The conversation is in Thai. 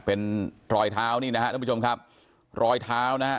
เป็นรอยเท้านี่นะฮะท่านผู้ชมครับรอยเท้านะฮะ